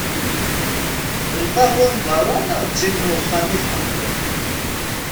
D lqahwa n berra neɣ d tin n uxxam i tḥemmleḍ?